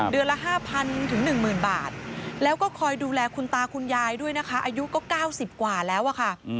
เดือนละ๕๐๐๑๐๐บาทแล้วก็คอยดูแลคุณตาคุณยายด้วยนะคะอายุก็๙๐กว่าแล้วอะค่ะ